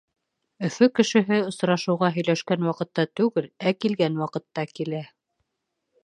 Өфө кешеһе осрашыуға һөйләшкән ваҡытта түгел, ә килгән ваҡытта килә.